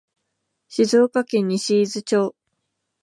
静岡県西伊豆町